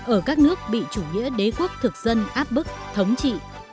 ở các nước bị chủ nghĩa đế quốc thực dân áp bức thống trị